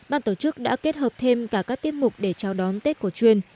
ban tổ chức đã kết hợp thêm cả các tiết mục để chào đón tết cổ truyền